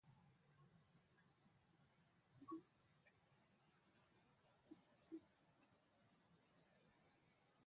Seven Seas Entertainment has licensed the light novels for publication in North America.